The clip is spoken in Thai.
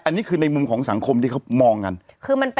อันนี้คือในมุมของสังคมที่เขามองกัน